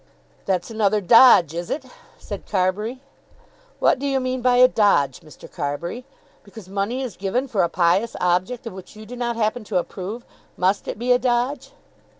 "That's another dodge, is it?" said Carbury. "What do you mean by a dodge, Mr. Carbury? Because money is given for a pious object of which you do not happen to approve, must it be a dodge?"